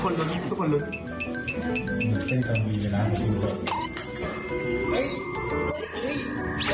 เกลือเส้นกาฟีไปนะ